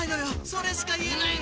それしか言えないのよ！